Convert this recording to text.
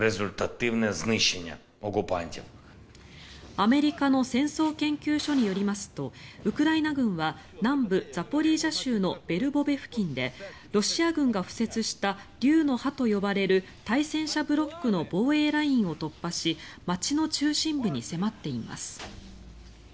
アメリカの戦争研究所によりますとウクライナ軍は南部ザポリージャ州のベルボベ付近でロシア軍が敷設した竜の歯と呼ばれる対戦車ブロックの防衛ラインを突破し街の中心部に迫っています。